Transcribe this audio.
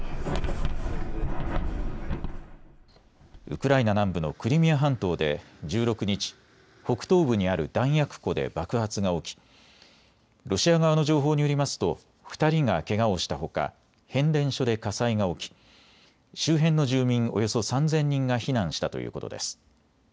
ウクライナ南部のクリミア半島で１６日、北東部にある弾薬庫で爆発が起きロシア側の情報によりますと２人がけがをしたほか変電所で火災が起き周辺の住民およそ３０００人が避難したということです。